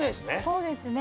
そうですね。